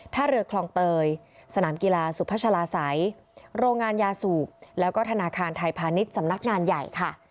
ท่าเรือคลองเตยสนามกีฬาสุพัชลาศัยโรงงานยาสูบแล้วก็ธนาคารไทยพาณิชย์สำนักงานใหญ่ค่ะ